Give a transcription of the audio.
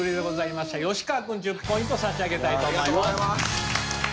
吉川君１０ポイント差し上げたいと思います。